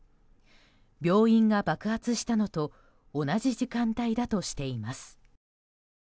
病院が爆発したのと同じ時間帯だとしています。